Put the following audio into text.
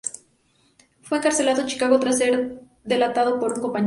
Fue encarcelado Chicago tras ser delatado por un compañero.